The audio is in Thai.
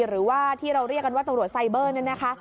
หรือว่าที่เราเรียกกันว่าตำรวจไซเบอร์เนี่ยนะคะ